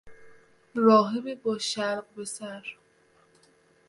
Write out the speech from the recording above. راهب باشلق به سر